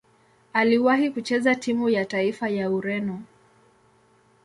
Aliwahi kucheza timu ya taifa ya Ureno.